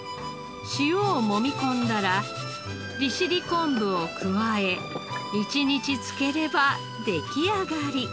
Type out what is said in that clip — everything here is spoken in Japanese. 塩をもみ込んだら利尻昆布を加え１日漬ければ出来上がり。